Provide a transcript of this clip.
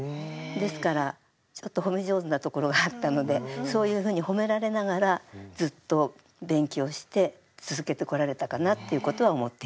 ですからちょっと褒め上手なところがあったのでそういうふうに褒められながらずっと勉強して続けてこられたかなっていうことは思っています。